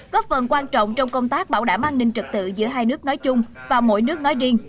góp phần quan trọng trong công tác bảo đảm an ninh trật tự giữa hai nước nói chung và mỗi nước nói riêng